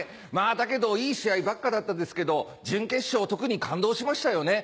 だけどいい試合ばっかだったですけど準決勝特に感動しましたよね。